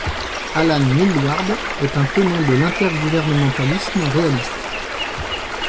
Alan Milward est un tenant de l'intergouvernementalisme réaliste.